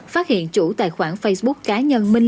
phát hiện chủ tài khoản facebook của ninh kiều thành phố quần thơ